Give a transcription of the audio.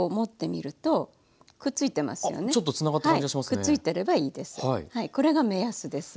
くっついてればいいです。